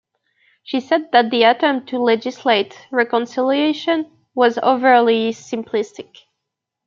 She said that the attempt to legislate reconciliation was overly simplistic.